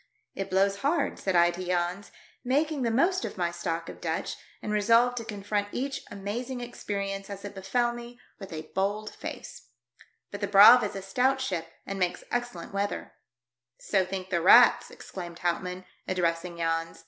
"It blows hard," said I to Jans, making the most of my stock of Dutch, and resolved to confront each amazing experience as it befel me with a bokl face. " But the Braave is a stout ship and makes excellent weather." I HOLD A CONVERSATION WITH THE CREW. I 5/ "So think the rats," exclaimed Houtmann, addressing Jans.